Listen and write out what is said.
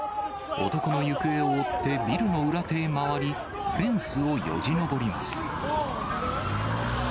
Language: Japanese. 男の行方を追って、ビルの裏手へ回り、フェンスをよじ登ります。